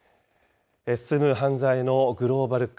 進む犯罪のグローバル化。